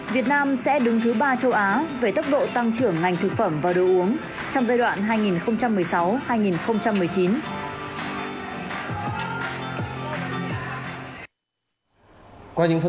việt nam sẽ đứng thứ ba châu á